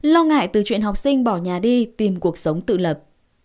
lo ngại từ chuyện học sinh bỏ nhà đi tìm cuộc sống tự lập